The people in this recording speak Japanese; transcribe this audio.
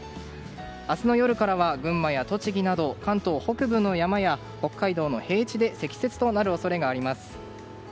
明日の夜からは群馬や栃木など関東北部の山や北海道の平地で積雪となる恐れがあります。